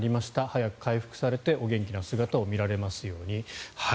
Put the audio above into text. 早く回復されてお元気な姿を見られますように。